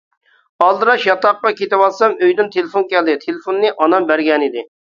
ئالدىراش ياتاققا كېتىۋاتسام ئۆيدىن تېلېفون كەلدى، تېلېفوننى ئانام بەرگەنىدى.